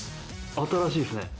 新しいっすね。